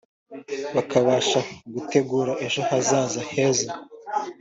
bakabasha gutegura ejo hazaza heza